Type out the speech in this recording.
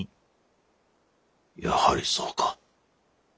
やはりそうか。